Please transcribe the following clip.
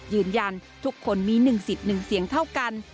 ยืนยันทุกคนมีหนึ่งสิทธิ์หนึ่งเสียงเท่ากัน